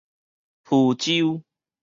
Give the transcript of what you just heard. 浮洲